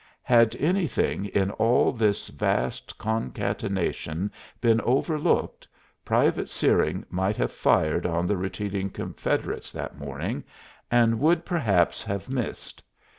Had anything in all this vast concatenation been overlooked Private Searing might have fired on the retreating Confederates that morning, and would perhaps have missed.